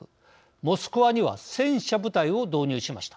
モスクワには戦車部隊を導入しました。